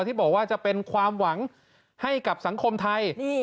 ที่บอกว่าจะเป็นความหวังให้กับสังคมไทย